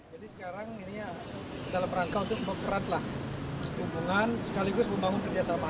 jadi sekarang ini dalam rangka untuk memperatlah hubungan sekaligus membangun kerjasama